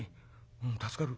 「うん助かる。